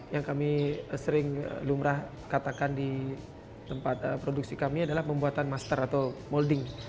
yang kami sering lumrah katakan di tempat produksi kami adalah pembuatan master atau molding